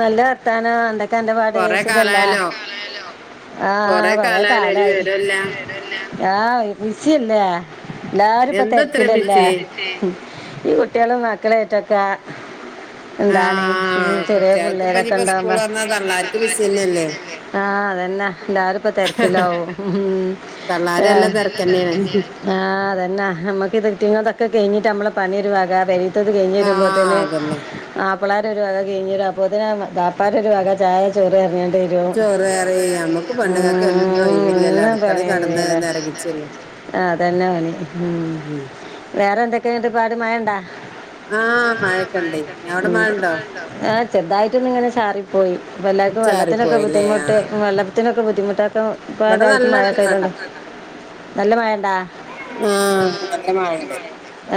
നല്ല എന്ത ന്റെപാട് സുഖല്ല ആഹ കൊറെേ കാലമായി ആ ഷല്ലേ എല്ലാരും ഇപ്പ തിരക്കിലല്ല ഈ കുട്ടികളും മക്കളും ട്ടടക എന്താണ് ഉ ചെറിയ പുള്ളേരക്ക ഇണ്ടാവുമ്പോ ആഹ് അതന്നെ എല്ലരും ഇപ്പ തെരക്കിലാവും. ആഹ് അതന്നെ നമ്മുക്ക് ഇത്ട്ടിങ്ങതൊക്കെ കഴിഞ്ഞിട്ട് നമ്മള പണിർവകതനി ത്തത് കഴിഞ്ഞ വരുമ്പോത്തെന് വളരെ [unintelligible] വക കഴിഞ്ഞ അപ്പോത്തിന് വാപ്പാര ഒരു വക ചായ ചോറ് ഇറങ്ങി എന്നേണില്ലേ ആ അതന്നെ പണി ഉം വേറെ എന്തൊക്കണ്ട് പാടി മയണ്ടാ? ആഹ് മഴക്കണ്ടേ അവിടെ മഴണ്ട ആ ചെറതായിട്ടൊന്ന ഇങ്ങനെ ചാറിപ്പോയി. ഇപ്പൊ എല്ലാവർക്കും വെള്ളത്തിനൊക്കെ ബുദ്ധിമുട്ട് വെള്ള ത്തിനൊക്കെ ബുദ്ധിമുട്ടാ ഇ ഇപ്പൊ എല്ലാവർക്കും മഴൊക്കെരുന്നുണ്ട്. നല്ല മഴണ്ടാ?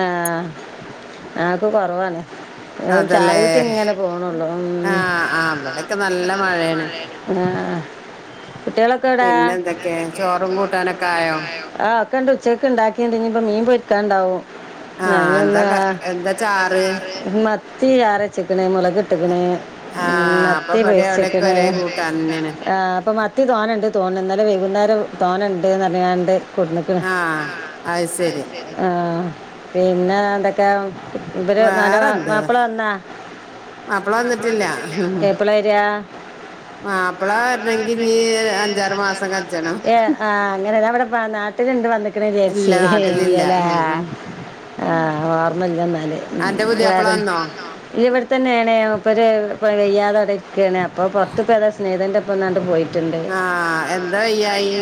ആഹ്. ആനക്ക് കുറവാണ്. അത് ചാറി ആഹ് അവിടെക്കെ നല്ല മഴേണ്. പിന്നെ എന്തൊക്കെയ ചോറും കൂട്ടാനൊക്കെ ആയോ? ഒക്കാണ്ട് ഉച്ചക്ക് ഇണ്ടാക്കിണ്ടെനീ പ്പം മീൻ പൊരിക്ക ഇണ്ടാവും. ആഹ് എന്താ ക എന്താ ചാറ്? തീ ആര [unintelligible] ചിക്കന് മുള ട്ട്ക്കണ് മത്തി പൊരിച്ച്ക്കണ് ആഹ് പ്പൊ മ കുത്തി തോന്ന ണ്ട് തോന്ന എന്നാലെ വൈകുന്നേരം തോന്ന ഇണ്ട് എന്നറിയാണ്ട് കുട്ടണത്തിന ആഹ്. പിന്നെ എന്തൊക്കെണ്? ഇവര് മല മാപ്പിള വന്നാ? എപ്പള വരിആ? ഏ ആഹ് അങ്ങനെ അവിടെ നാട്ടിലിണ്ട് വന്നക്കണ് വിചാരിച്ചേ ല്ലല്ലേ ആ ഓർമ്മല്ല എന്നാല് വേറെ ഇവിടെ തന്നെയണേപ്പര് യ്യാതെ അടക്കാണ്. അപ്പൊ പുറത്തക്ക് പോ താ സ്നേഹൻന്റെപ്പ എണ്ട് പോയി. ആഹ് എന്താ വയ്യായി?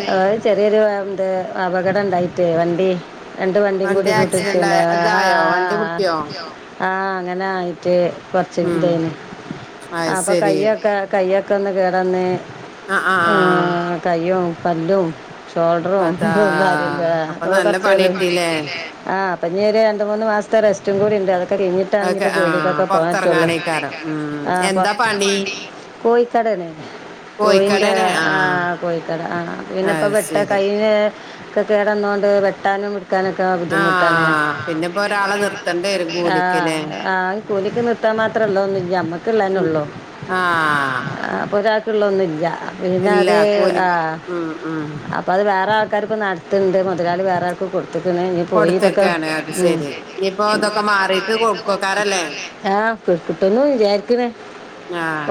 തെരു എന്ത് അപകടം ഇണ്ടായിട്ടേ വണ്ടി രണ്ട് വണ്ടിയും കൂടി കൂട്ടിച്ചനെ ആഹ്. ആഹ് അങ്ങനായി. ട്ട് കൊറച്ച് ഇതേന് അപ്പൊ കയ്യൊക്കെ കയ്യ പക്കന്ന് കേടന്ന് ആഹ [unintelligible] തായോ പല്ലും ഷോൾഡറും ഉും ഭാര്ല്ല അപ്പൊ കൊറച്ചറിയ ആ [unintelligible] ഇഞ്ഞേര് രണ്ട് മൂന്ന് മാസത്തെ റെസ്റ്റും കൂടി ഉണ്ട് അത് കഴിഞ്ഞിട്ടാണ് ഇപ്പോ ജോലിയൊക്കെ റ്റ ആ കോഴിക്കടന കോഴന്റെ ആ കോഴിക്കട ആ പിന്നെപ്പ വട്ട കൈ ഒക്കെ കേടന്നോണ്ട് വെട്ടാനും ആഹ പിന്നെപ്പോൊഒരാളെ നിർത്തേണ്ട വരും കൂലിക്ക് ലേ കൂലിക്ക് നിർത്താൻ മാത്രള്ളൊന്നും ഇല്ല മ്മക്കല്ലന്നൊ ള്ളൂ ഒരാക്കുള്ളൊന്നുല്ല പിന്നെ അത് ആ അപ്പൊ അത് വേറെ ആൾക്കാർ ഇപ്പോ നട ത്ത്ണ്ട് മുതലാളി വേറെ ആർക്കോ കൊടു കൊടുത്തക്കെയാണ് അത് ശെരി ഇനിപ്പോ ഇ തൊക്കെ മാറിട്ട് കൊക്കോക്കറല്ല ആഹ കിട്ടൊന്നും വിചാരിക്കണ്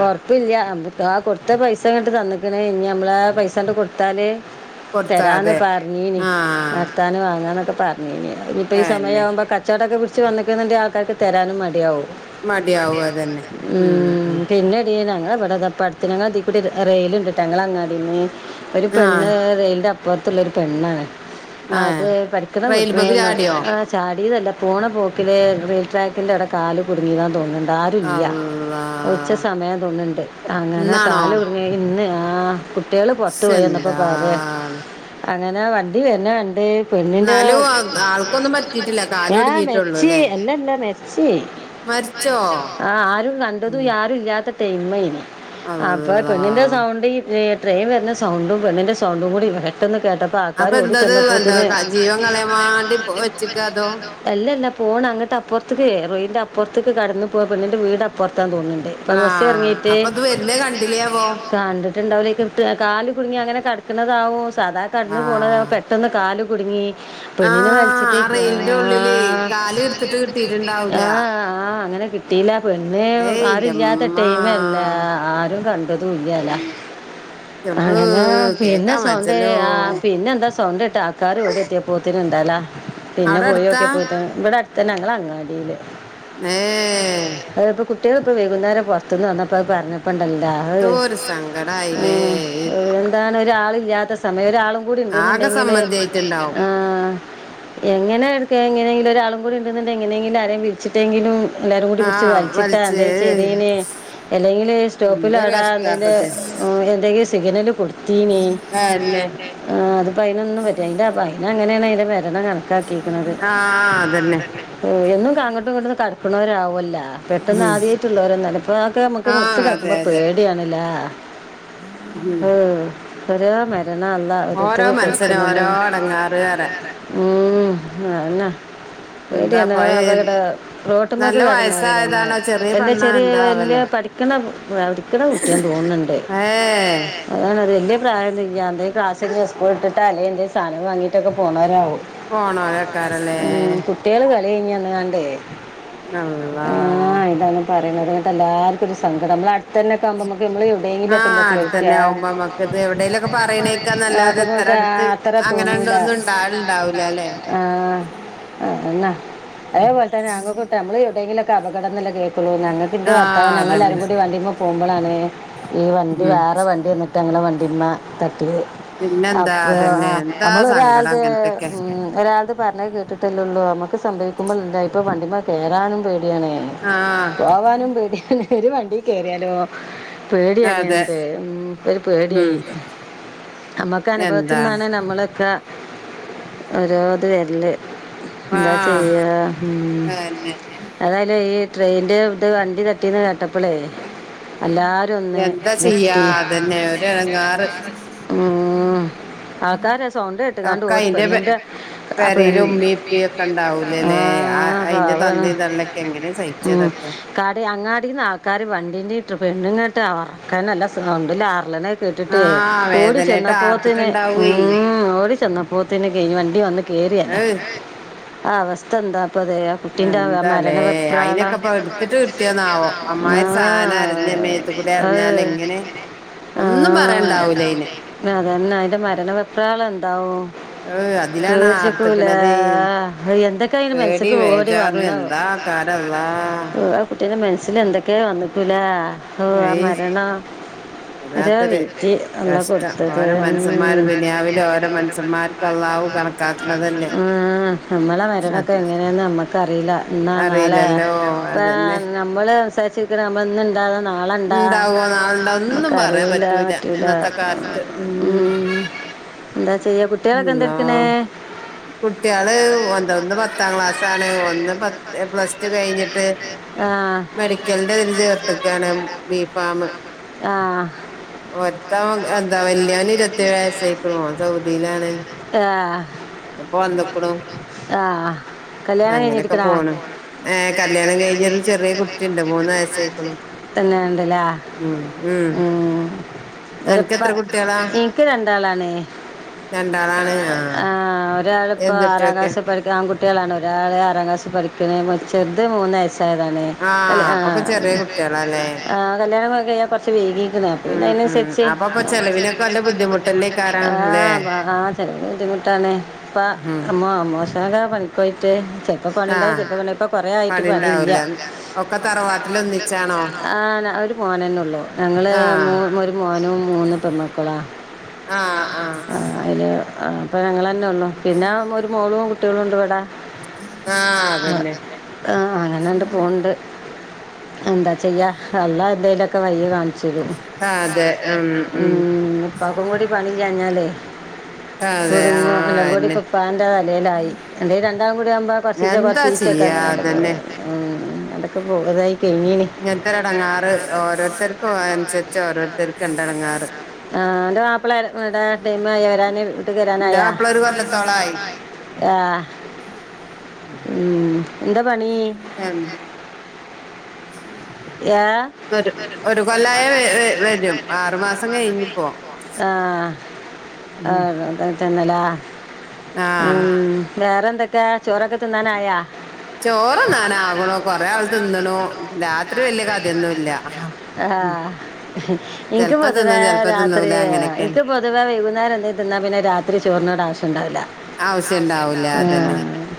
ഒറപ്പില്ല അപ്പോ ആ കൊടുത്ത പൈസ കങ്ങട്ട് തന്നിക്കണ് ഇനി നമ്മള ആ പൈസാണ്ട് കൊടുത്താൽ തരാന്ന് പറഞ്ഞീനി നിർത്താന വാങ്ങാനൊക്കെ പർഞ്ഞീനെ ഇനിപ്പ ഈ സമയ ആവ്മ്പോ കച്ചടൊക്കെ പി വ വിക്കുന്നതിണ്ട് ആക്കാർക്ക് തരാനും മടി ടിയാവും ഉം പിന്നെടീ ഇത് അവിട അത്തന ഇത് കൂടി റെയിൽ ഉണ്ട്ട്ടോ ഞങ്ങളെ അങ്ങാടിന്ന് ഒരു പെണ്ണ് റെയിൽന്റെ അ പുറത്തുള്ളൊരു പെണ്ണാണ് അത് പഠിക്കുന്ന കുട്ടു ആ ചാടിയതല്ല പോണ പോക്കിലെ റെയിൽ ട്രാക്കിന്റെ അട കാല് കുടുങ്ങിയാ തോന്നുന്നത് ആരൂല്ല ഉച്ച സമയം തോന്നണ്ട് അങ്ങനെ കാല് കുടുങ്ങിയ ഇന്ന് ആഹ് കുട്ടികള് പൊറത്ത് പോയി വന്നപ്പോ പറയാ അങ്ങനെ വണ്ടി വരുന്ന കണ്ട് പെണ്ണിന്റെ ഏ മെരിച്ച് അല്ലല്ല മേരിച്ച് ആ കണ്ട അത ഇ മൈന അപ്പൊ പെണ്ണിന്റെ സൗണ്ട് ട്രെയി വരുന്ന സണ്ടും പെണ്ണിന്റെ സൗും കൂടി പെട്ടെന്ന് കേ അപ്പൊ എന്തത് എന്താ ജീവൻ കളയൻ വേണ്ടി വെച്ചക്ക അതോ പോൺ അങ്ങട്ട്പ്പുറത്ത റോൻന്റെ അപ്പുറത്തേ കടന്ന പോ പെണ്ണിന്റെ വീടപ്പുറത്ത് ത്താൻ തോന്നിണ്ട് ഇപ്പൊ ബസ് ഇറങ്ങിട്ട് കണ്ടിട്ടുണ്ടാവില്ലേ കാല് കുടുങ്ങി അങ്ങനെ കടക്കുന്നതാവോ സാ കടന്നു പോണ പെട്ടെന്ന് കാല കുടുങ്ങി പെണ്ണിനെ വലിച്ചിട്ടേ ആ [unintelligible] ആഹ ആ് ആ അങ്ങനെ കിട്ടീല പിന്നെ ആരില്ലാത്ത ടൈമല്ല ആരും കണ്ട ഇതും ഉയല്ല അങ്ങനെ പിന്നെ സവന്ത ആ പിന്നെ എന്താ സൊണ്ട ഇട്ട് ആൾക്കാാര് എവിടെ എത്തിയ പോൂത്തിന്ണ്ടാലാ പിന്നെ പോയോക്കെ പോയിട്ട ഇവിട തന്നനങ്ങള അ അടില് ഏ കുട്ടികൾക്കെ വൈകുന്നേരം പോർ ത്തു വന്നപ്പോത് പറഞ്ഞു പ്പണ്ടല്ല് ഉ എന്താണ് ഒരാളില്ലാത്ത സമയം ഒരാളും മം കൂടി ഇണ്ടങ്കില്, ആ എങ്ങനെ [unintelligible] ഒ ആളും കൂടി ഉണ്ടെങ്കി എങ്ങനെങ്കില ആരെയും വിളിച്ചിട്ടെങ്കിലും എല്ലാരും കൂടി പിടിച്ച് വലിച്ചിട്ടാ എനന്തെങ്കിലും ചെതീന് അല്ലെങ്കില് സ്റ്റോപ്പിലാടാ എന്തെ എന്തെങ്കും സിഗ്നല് കൊടുത്തീനീ അത് പയ് നൊന്നും പറ്റ. അതിന്റെ പ അങ്ങനെയാണ് ആഹ അതന്നെ ഒന്നും കാങ്ങോട്ടും ഇങ്ങോട്ടും കടക്കുന്നവരാവുമല്ല ആ പെട്ടെന്ന് ആദ്യട്ടുള്ളവരെന്താല ഇപ്പൊക്കെ നമുക്ക് മുറിച്ച് കൾക്കുമ്പോ പേടിയാണല്ല ഹ ഒ മരണ അള്ള ഒരുതു കൊടു ക്കുന്നത്. മം ആന്ന എന്താ [unintelligible] എന്ന് വെച്ചാൽ പഠിക്കാൻ [unintelligible] അവക്കട കുട്ടിയൻ തോന്നുന്നുണ്ട് അത വല്ല്യ പ്രായം ഒന്നുല്ല്യാണ്ട് ക്ലാസില് സ്കൂൾ ട്ട് ട്ടല്ലേന്റെ സാധനം വാങ്ങയിട്ടൊക്ക പോണോരാ പോണോ അതക്കാറല്ലേ അല്ലേ ഇന്ന് കണ്ടേ നള്ളാ പറയുന്നത് ട്ടല്ലാവർക്കും ഒരു സങ്കടം അടുത്തെല്ലെകാവുമ്പം ആഹ അടുത്തന്നെ ആവുമ്പ മ്മക്ക് ഇത് എവിടെേലുക്കെ പറയണേക്കാ നല്ലെത് എത്ര അടുത്ത് അങ്ങനെണ്ട ഒന്നും ഇണ്ടലുണ്ടാവൂലല്ലേ എയ് വർത്താനാ അങ്ങക്കുട്ടാ അമ്മള് എങ്കിലേക്കെ അപകടനില കേ [unintelligible] ഞങ്ങൾക്ക് ഭർത്താവ് ഞങ്ങല്ലാരും കൂടി വണ്ടി പോ പോമ്പളാണ് ഈ വണ്ടി വേറെ വണ്ടി എന്നിട്ട് അങ്ങനെ വണ്ട പിന്നെ അപ്പ ആ അമ്മള് ഒരാളടെ ഉ ഒരാളതെ പറഞ്ഞത് കേട്ടിട്ടല്ല [unintelligible] [unintelligible] എ ഇപ്പൊ വണ്ടിമെ കേറാനും പോവാനും പേടിയാ ഒരു വണ്ടി കേറിയാലോ പേടിയാണ് എന്ത് മ് ഒര് പേടിയായി നമ്മക്ക് അനുഭവത്തിൽന്നാണ് നമ്മളൊക്കെ ഒര് ആപത്ത് വരല്ലേ ആഹ അ വയ്യ ഉം അതായാല് ഈ ട്രെയിൻന്റെ ഇത് വണ്ടി തട്ടിന്ന് കേട്ട അപ്പളേ എല്ലാരു ഒന്ന് [inaudible] ഉ ആൾക്കാര സൗണ്ട് കേട്ടുകാണ്ട് ഓടിപ്പോന്ന എന്റെ അപ്പൊ [unintelligible] ആഹ പാവാണ് ഉം കാടെ അങ്ങാടിന്നാ ൾക്കാാര് വണ്ടീന്റെ ഇട്ട പെണുങ്ങ [unintelligible] ക്കെ നല്ല സൗണ്ട്ല്ലാ കള്ളനെ കേട്ടിട്ടേ ഓടി ചെന്നപ്പോത്തിന് ഉം ഓടി ചെന്നപ്പോത്തിന് കഞ് വണ്ടി വന്ന് കേറിയല്ല അവസ്ഥ എന്താ അപ്പ അതെ അ കുട്ടിന്റെ വ മരണവെപ്രാളാ ആ ആ അത് ആ അതന്നെ അയ്ന്റെ മരണവെപ്രാള എ തൗ ഏവ് അതിലാണാ ആർത്ത്ക്ക്‌ണത് പേടി വേജാറും എന്താ ആക്കാരള്ളാ [unintelligible] ട്ടിന്റെ മൻസ്സിൽ എന്തെക്കേ വന്ന്ക്കുലേ ഹോ ആ മരണ വല്ലാത്തൊര് കഷ്ടം ഓരോ മൻഷമ്മാര് ദുന്യാവില് ഓരോ മൻസമ്മാര്ക്കള്ളാവു കണക്കാക്ക്‌ണതല്ലെ നമ്മള മരണൊക്കെ എങ്ങനെന്ന് നമ്മക്ക അറിയില്ല ഇന്നാ നാളെ പ്പാ നമ്മള് സാര്ച്ചിക്ക്‌ണെ നമ്മൾ ന്ന് ഇണ്ടാവൊ നാള ഇണ്ടാ കറീടാൻപറ്റൂല ഉം ഉം ന്താ ചെ ചെയ്യ കുട്ട്യളൊക്ക എന്തട്ക്ക്‌ണേ ള് ഒന്നോന്ന് പത്താം ക്ലാസാണ് ഒന്ന് പത് എ പ്ലസ് ടു കയ്ഞ്ഞിട്ട് മെഡിക്കൽന്റെ ഇതിന് ചേർത്ത്ക്കാണ് ബീ ഫാമ് ഒര്ത്തവ് എന്താ വെല്ല്യോന് ഇരുത്തേഴ് വയ്സ് ക്ക്‌ണു ഓൻ സൗ ദീലാണ് ഇപ്പൊ വന്ന്ക്ക്‌ണു അങ്ങനെക്ക പോണ് ഏ കല്യാണം കയ്ഞ്ഞ് ഒരു ചെറിയ കുട്ടിണ്ട് മൂന്ന് വയസായിക്ക്‌ണു ഉം ഉം അൻക്കെത്ര കുട്ട്യളാ രണ്ടാളാണ് ആഹ് വ്യാഴം പ്പോ ആറാം ക്ലാസ്സ് പഠിക്ക്‌ണ് ആൺകുട്ട്യളാണ് ഒരാള് ആറാംക്ലാസ്സ്‌ പഠിക്ക്‌ണ് മ ചെർത് മൂന്നയ്സ് സായ്താണ് ആ ആ ഒക്കെ ചെറിയ കുട്ട്യാളാലെ ആ കല്ല്യാണൊക്ക കയ്യാൻ കൊർച്ച് വൈകീക്ക്‌ണ് അപ്പം പിന്നെ അയ്നൻസര്ച്ച് ആ അപ്പം ചെലവിനൊക്കെ ബുന്ധിമുട്ടന്നയ്ക്കാരം [unintelligible] ആ ചെലവിന് ബുദ്ധിമുട്ടാണ് പ്പ അമ്മ അമ്മോശ് [unintelligible] പൺക്കോയ്റ്റ് ചെൽപ്പോ പണി ണ്ടാവും ചെൽപ്പോ പണിണ്ട പ്പ കൊറെ ആയ്റ്റ് പണി ഇല്ല ആ ന ഒരു മോനെന്നെ ഉള്ളൂ ഞങ്ങള് മോ ഒരു മോനും മൂന്നു പെണ്മക്കളാ ആ അ [unintelligible] ആ അപ്പം ഞങ്ങളെന്നൊന്നും പിന്നാ ഒരു മോളും കു ട്ട്യളുണ്ട് വ്ടെ ആ അതെന്നെ ആഹ് അങ്ങനണ്ട് പോൺണ്ട് എന്താ ചെയ്യ അള്ളാ എന്തേലൊക്ക വയ്യി കാണു ശരി ഉം പ്പാക്കു കൂടി പണി ല്ലാഞ്ഞാലേ അതെ ആഹ് അഎന്നെ പ്പാന്റെ തലേലായി അല്ലേ രണ്ടാം കൂടി ആവ്മ്പോ കൊർച്ചീച്ച കൊർച്ചീച്ചൊക്ക അങ്ങനെണ്ട് പോവും ഉ അതൊക്കെ പോരായി ഇങ്ങനത്തര അടങ്ങാറ് ഓരോരുത്തർക്കും അനുസരിച്ച് ഓരോരുത്തർക്കും ഇണ്ടടങ്ങാറ് ആ അന്റെ മാപ്പിള എവടെ ടൈം ആയോ വരാന് വീട്ട്കരാനായാ ന്റെ മാപ്പളാ ഒരു കൊല്ലത്തോളായി ആ ഉം എന്താ പണി യെ ഒരു ഒരു കൊല്ലായ വരും ആറുമാസം കഴിഞ്ഞിപ്പം ആ ആ അതെ തന്നെ ല്ല ഉം വേറെ [unintelligible] ചോറ്ന്നാനാകണു കൊറെ ആൾ തിന്നണു [unintelligible] ആ ഇൻക്ക് പൊതുവേ രാത്രി ഇനിക്ക് പൊതുവെ വൈകുന്നേരം എന്ത തിന്നാ പിന്നെ രാത്രി ചോറിനോട് ആവശ്യണ്ടാവില്ല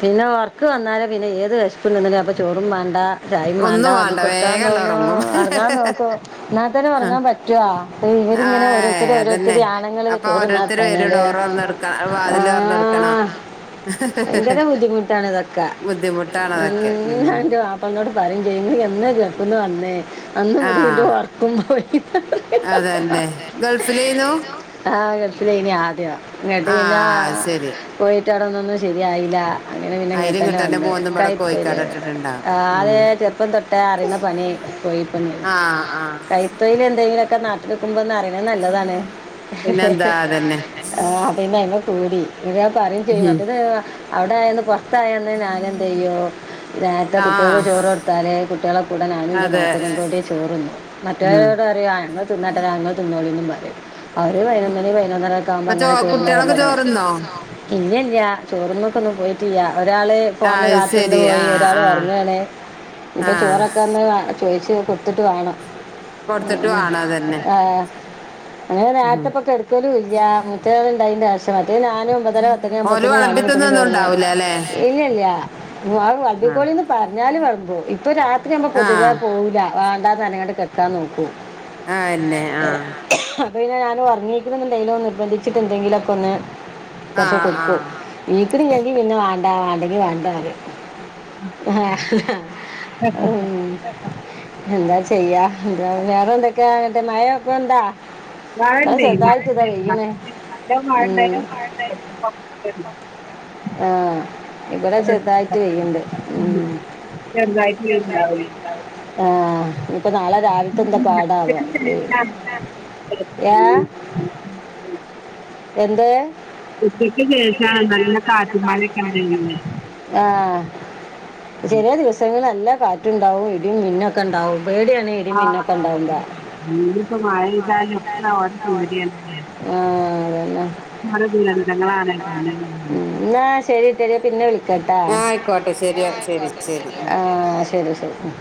പിന്നെ വർക്ക് വന്നാരെ പിന്നെ ഏത് വെഷ [unintelligible] അപ്പ ചോറും മാണ്ട ചായിം മാണ്ടാ [unintelligible] കട്കാൻ തോന്നും ഒറങ്ങാൻ നോക്കും ന്നാത്തന്നെ ഒറങ്ങാൻ പറ്റോ ഇവരിങ്ങനെ ഓരോരുത്തര് ഓരോരുത്തര് ആണ്ങ്ങള് ചോറ്‍ന്ന എത്തഞ്ഞാല് ആ ഭയങ്കര ബുദ്ധിമുട്ടാണ് ഇതൊക്കെ ഞാൻ ന്റെ മാപ്പൾനോട് പറയും ചെയ്യും എന്ന [unintelligible] വന്നേ അന്ന് മുതി ഇന്റെ വർക്കും പോയി ആ ഗൾഫ് ലേനി ആദ്യ ന്നട്ട് പിന്നാ പോയി റ്റടൊന്നൊന്നും ശരിയായില്ല അങ്ങനെ പിന്നെ ഇങ്ങട്ടെന്നെ വന്ന് [unintelligible] ആദ്യ ചെർപ്പം തൊ അറിന്ന പണി കോഴി പണിണ്‌ കൈതൊഴില്ണ്ട് നി ഒക്കെ നാട്ടിലിക്കുമ്പം നാ [unintelligible] നല്ലതാണ് പിന്നെന്താ അതന്നെ ആ പിന്നെ അയ്മ കൂടി ഇതാ പറയും ചെയ്യും മറ്റത് അവിടെ ആയന്ന് പൊ ത്തായന്ന് ഞാൻ എന്തയ്യും നേര്ത്തെ കുട്ടിൾക്ക് ചോറ് കൊടുത്താല് കുട്ട്യാളെ കൂട ഞാനും ന്റെ നാത്തൂനും കൂടി ചോറ്ന്നും മറ്റൊലോട് അറിയും ഇങ്ങള് തിന്നട്ട ഞങ്ങള് തിന്ന [unintelligible] അവര് പയ്നൊന്നണി പൈനൊന്നര ഒക്ക ആകുമ്പോ അങ്ങനെ ചോറ്ന്ന വര്ലാണ് കുട്ടീളൊക്കെ ചോറ്ന്നോ ഇല്ലല്ല്യ ചോറ്മ്മക്കൊന്നും പോയിട്ടില്ല്യ ഒരാള് ഫോണ്ന് കാത്തിന്ന് പോയി ഒരാള് ഒറങ്ങാണ് ഇപ്പം ചോറൊക്കെ ഒന്ന് ചോയിച്ച കൊടുത്തിട്ട് വേണം ആ അങ്ങനെ നേരത്തെ ഇപ്പൊ കൊടുക്കലൂല്ല [unintelligible] ഞാനും ഒൻമ്പതര പത്തര ആകുമ്പത്തേന ഞാനും കിട്ടകേയന്നു ഇല്ലല്ല വബിക്കോളിന്ന് പറഞ്ഞാല് പറമ്പോ രാത്രിയാക്കുമ്പോൾ പൊതുവേ പോകില്ല വേണ്ടാ തനയാണ്ട് കിടക്കാൻ നോക്കും ആഹ് എന്നന്നെ ആഹ് പിന്നെ ഞാൻ ഒർങ്ങിയിക്കുന്നു എന്തെലും നിർബന്ധിച്ചിട്ട് എന്തെങ്കിലൊക്കെ ഒന്ന് കൊറച്ച കൊടുക്കോ നീക്കിണില്ലങ്കി പിന്നെ വ വാണ്ടെങ്കിൽ വേണ്ട ആഹ് ഉം എന്താ ചെയ്യാ എന്താ വേറെ എന്തൊക്കെയ ങ്ങട്ട് മഴ ഒക്കെ ഉണ്ടോ? മഴ ഇണ്ട് നല്ല മഴ ഉണ്ടായിരുന്നു ഇവിടെ ചെറുതായിട്ട് പെയ്യ്ണ്ട് ആഹ ഇപ്പൊ നാളെ രാവിലത്തെ എന്താ പാടാവാ ങ്ങേ എന്ത് ആഹ് ചെറിയ ദിവസങ്ങ നല്ല കാറ്റ് ഉണ്ടാവും ഇടിയും മിന്നൊക്കെ ഉണ്ടാവും ആ ഇനി ഇപ്പോ മഴ പെയ്താലും ഒക്കെ ഓർക്ക് പേടിയാണ് ഉ എന്നാ ശരി ട്ടടീ പിന്നെ വിളിക്കട്ടാ ആഹ ശരി ശരി